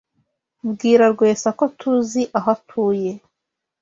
Bwira Rwesa ko TUZI aho atuye.